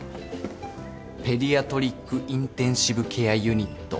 ペディアトリックインテンシブケアユニット。